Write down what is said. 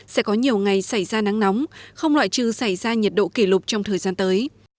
sẽ có nhiều ngày xảy ra nắng nóng không loại trừ xảy ra nhiệt độ kỷ lục trong thời gian tới